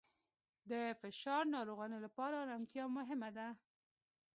د فشار ناروغانو لپاره آرامتیا مهمه ده.